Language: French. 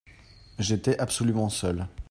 J'étais absolument seul.